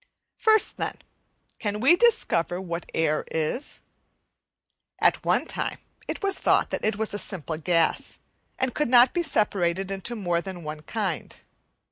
First, then, can we discover what air is? At one time it was thought that it was a simple gas and could not be separated into more than one kind.